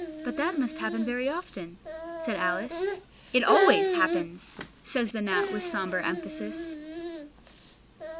"But that must happen very often?" said Alice. "It ALWAYS happens!" says the gnat with sombre emphasis.